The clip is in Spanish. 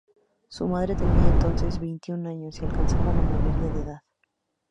Su madre tenía entonces veintiún años y alcanzaba la mayoría de edad.